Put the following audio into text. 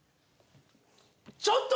ちょっと。